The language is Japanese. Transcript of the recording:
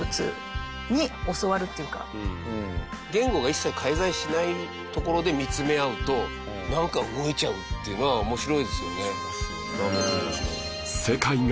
言語が一切介在しないところで見つめ合うとなんか動いちゃうっていうのは面白いですよね。